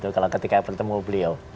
kalau ketika bertemu beliau